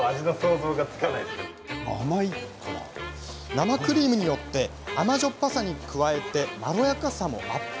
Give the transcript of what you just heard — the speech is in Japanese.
生クリームによって甘じょっぱさに加えてまろやかさもアップ。